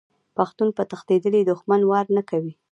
پښتون په تښتیدلي دښمن وار نه کوي.